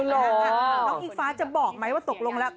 น้องอิงฟ้าจะบอกไหมว่าตกลงแล้ว